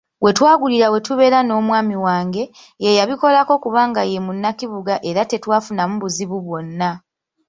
We twagulira we tubeera n’omwami wange, y'eyabikolako kubanga ye munnakibuga era tetwafunamu buzibu bwonna.